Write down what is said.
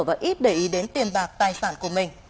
và ít để ý đến tiền bạc tài sản của mình